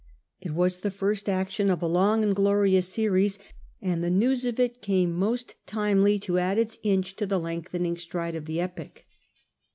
It was the first action of a long and glorious series, and the news of it came most timely to add its inch to the lengthening stride of the epic.